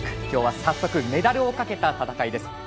今日は早速メダルをかけた戦いです。